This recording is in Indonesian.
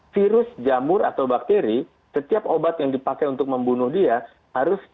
virus jamur atau bakteri setiap obat yang dipakai untuk membunuh dia harus